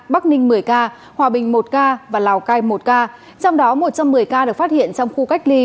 bắc ninh một mươi ca hòa bình một ca và lào cai một ca trong đó một trăm một mươi ca được phát hiện trong khu cách ly